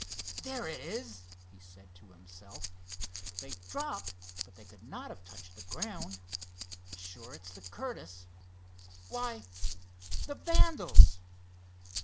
"There it is," he said to himself. "They dropped, but they could not have touched the ground. Sure, it's the Curtiss. Why—the vandals!"